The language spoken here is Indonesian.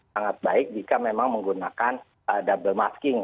sangat baik jika memang menggunakan double masking